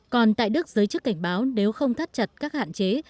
còn tại đức giới chức cảnh báo nếu không thắt chặt các hạn chế